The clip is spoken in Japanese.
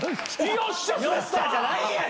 「よっしゃ！」じゃない！